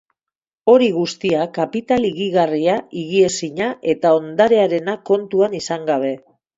Hori guztia kapital higigarria, higiezina eta ondarearenak kontuan izan gabe.